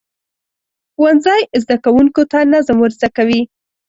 ښوونځی زده کوونکو ته نظم ورزده کوي.